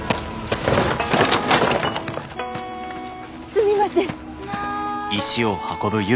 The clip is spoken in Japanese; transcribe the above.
すみません。